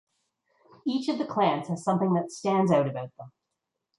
Each of the clans has something that stands out about them.